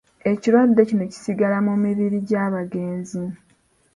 Ekirwadde kino kisigala mu mibiri gy'abagenzi.